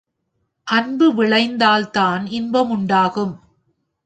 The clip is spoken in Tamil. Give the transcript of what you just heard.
அன்பு விளைந்தால்தான் இன்பம் உண்டாகும்.